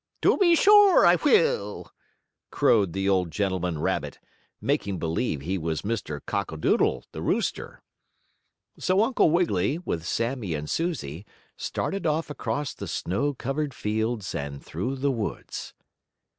"To be sure I will!" crowed the old gentleman rabbit, making believe he was Mr. Cock A. Doodle, the rooster. So Uncle Wiggily, with Sammie and Susie, started off across the snow covered fields and through the woods.